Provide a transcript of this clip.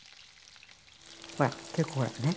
ほら結構ほらね？